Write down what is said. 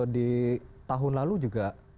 di tahun lalu juga